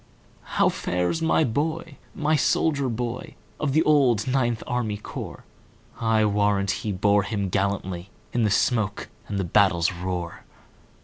"How fares my boy,—my soldier boy, Of the old Ninth Army Corps?I warrant he bore him gallantlyIn the smoke and the battle's roar!"